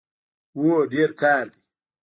هو، ډیر کار دی